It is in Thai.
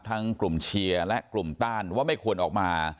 กลุ่มเชียร์และกลุ่มต้านว่าไม่ควรออกมา